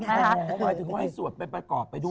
เพราะถึงให้สวดไปประกอบไปด้วย